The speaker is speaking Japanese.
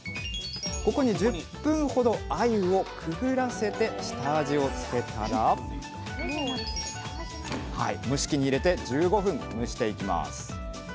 ここに１０分ほどあゆをくぐらせて下味をつけたら蒸し器に入れて１５分蒸していきます。